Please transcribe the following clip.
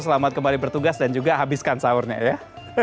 selamat kembali bertugas dan juga habiskan sahurnya ya